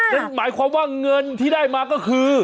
นั่นหมายความว่าเงินที่ได้มาก็คือ